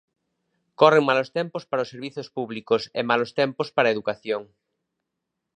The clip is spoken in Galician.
Corren malos tempos para os servizos públicos e malos tempos para a educación.